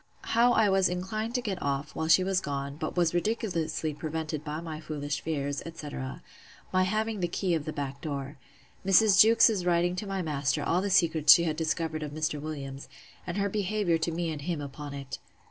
How I was inclined to get off, while she was gone; but was ridiculously prevented by my foolish fears, etc. My having the key of the back door. Mrs. Jewkes's writing to my master all the secrets she had discovered of Mr. Williams, and her behaviour to me and him upon it.